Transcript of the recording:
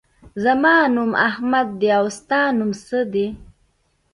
زما نوم احمد دی. او ستا نوم څه دی؟